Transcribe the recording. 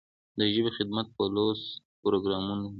د ژبې خدمت په لوست پروګرامونو دی.